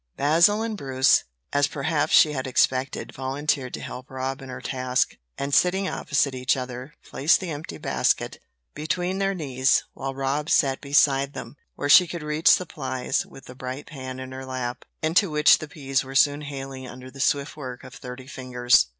Basil and Bruce as perhaps she had expected volunteered to help Rob in her task, and sitting opposite each other, placed the empty basket between their knees, while Rob sat beside them, where she could reach supplies, with the bright pan in her lap, into which the peas were soon hailing under the swift work of thirty fingers.